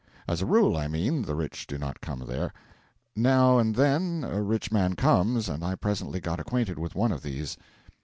As a rule, I mean, the rich do not come there. Now and then a rich man comes, and I presently got acquainted with one of these.